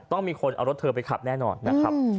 ต้องมีคนเอารถเธอไปขับแน่นอนนะครับ